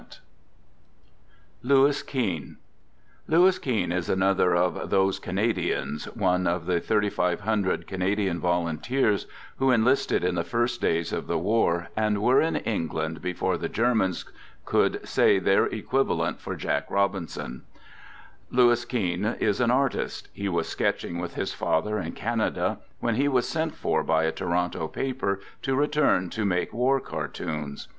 fcriirie" HadiSr P " ViCt ° r B0Udin ' P " ri,: Li * Digitized by LOUIS KEENE Louis Keene is another of " those Canadians/' one of the 3,500 Canadian volunteers, who enlisted in the first days of the war, and were in England before the Germans could say their equivalent for Jack Robinson. Louis Keene is an artist. He was sketching with his father in Canada, when he was sent for by a Toronto paper to return to make war cartoons.